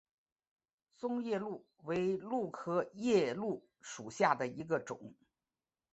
棕夜鹭为鹭科夜鹭属下的一个种。